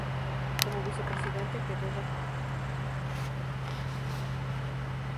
Como vicepresidente, quedó el Dr. Quiñónez.